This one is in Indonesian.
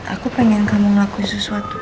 aku pengen kamu ngakui sesuatu